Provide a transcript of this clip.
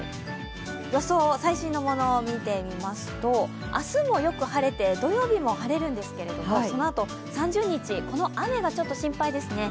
予想、最新のものを見てみますと明日もよく晴れて、土曜日も晴れるんですけど、そのあと３０日、この雨がちょっと心配ですね。